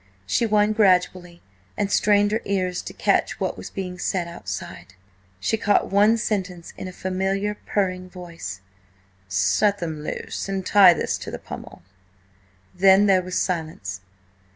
She won gradually, and strained her ears to catch what was being said outside. She caught one sentence in a familiar, purring voice: "Set them loose and tie this to the pummel." Then there was silence.